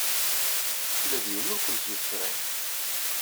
Ula d yiwen ur kent-yekṛih.